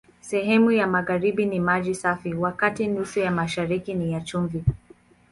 Sehemu ya magharibi ni maji safi, wakati nusu ya mashariki ni ya chumvi.